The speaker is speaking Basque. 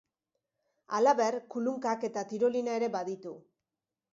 Halaber, kulunkak eta tirolina ere baditu.